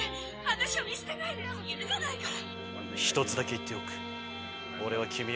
私を見捨てないで許さないから。